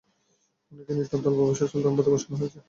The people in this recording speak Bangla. অনেককেই নিতান্ত অল্প বয়সে সুলতান পদে বসানো হয়েছে।